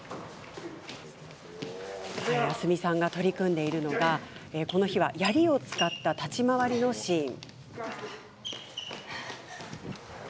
明日海さんが取り組んでいるのが槍を使った立ち回りのシーン。